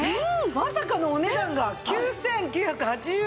まさかのお値段が９９８０円！